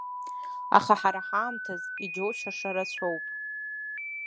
Аха ҳара ҳаамҭаз иџьоушьаша рацәоуп.